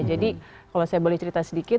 kalau saya boleh cerita sedikit